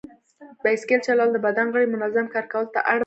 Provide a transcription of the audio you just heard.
بایسکل چلول د بدن غړي منظم کار کولو ته اړ باسي.